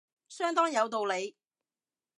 相當有道理